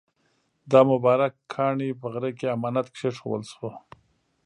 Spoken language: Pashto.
دا مبارک کاڼی په غره کې امانت کېښودل شو.